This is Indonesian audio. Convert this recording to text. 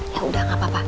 ya udah gak apa apa